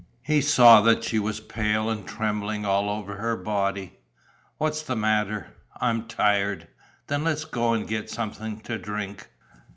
He saw that she was pale and trembling all over her body: "What's the matter?" "I'm tired." "Then let's go and get something to drink."